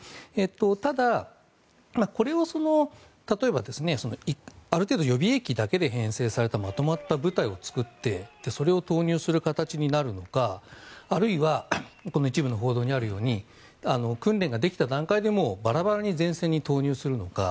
ただ、これを例えばある程度予備役だけで編成されたまとまった部隊を作ってそれを投入する形になるのかあるいは一部の報道にあるように訓練ができた段階でバラバラに前線に投入するのか。